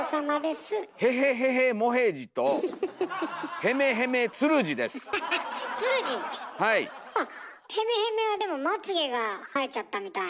「へめへめ」はでもまつげが生えちゃったみたいな。